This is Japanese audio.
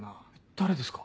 誰ですか？